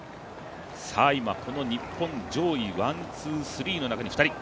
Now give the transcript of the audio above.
今、日本上位ワンツースリーの中に２人。